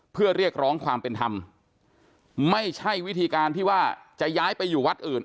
เพื่อเรียกร้องความเป็นธรรมไม่ใช่วิธีการที่ว่าจะย้ายไปอยู่วัดอื่น